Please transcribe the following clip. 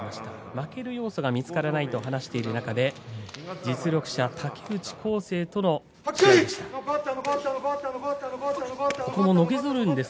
負ける要素が見つからないと話している中実力者、竹内宏晟との試合です。